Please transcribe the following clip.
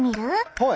はい。